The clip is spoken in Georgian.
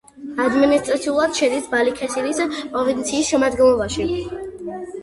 ადმინისტრაციულად შედის ბალიქესირის პროვინციის შემადგენლობაში.